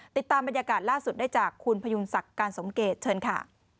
ติดตามบรรยากาศล่าสุดได้จากคุณพยุงศักดิ์การสมเกตเชิญค่ะ